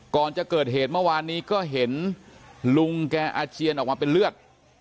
ก่อนจะเกิดเหตุเมื่อวานนี้ก็เห็นลุงแกอาเจียนออกมาเป็นเลือด